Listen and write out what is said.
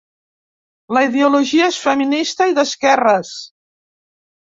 La ideologia és feminista i d'esquerres.